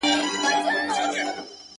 جواب را كړې،